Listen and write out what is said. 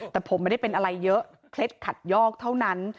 แต่ผมไม่ได้เป็นอะไรเยอะเคล็ดขัดยอกเท่านั้น